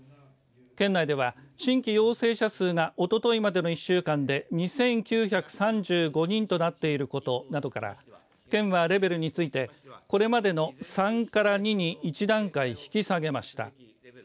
県内では新規陽性者数がおとといまでの１週間で２９３５人となっていることなどから県は、レベルについてこれまでの３から２に１段階引き下げました。